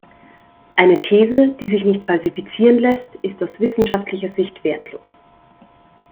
Eine These, die sich nicht falsifizieren lässt, ist aus wissenschaftlicher Sicht wertlos.